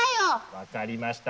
分かりました。